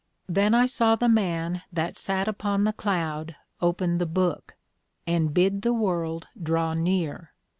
Then I saw the Man that sat upon the Cloud open the Book, and bid the World draw near.